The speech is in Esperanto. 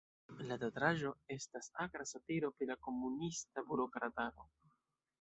La teatraĵo estas akra satiro pri la komunista burokrataro.